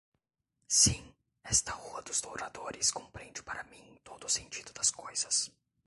Sim, esta Rua dos Douradores compreende para mim todo o sentido das coisas